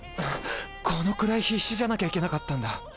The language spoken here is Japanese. このくらい必死じゃなきゃいけなかったんだ。